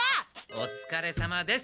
おつかれさまです。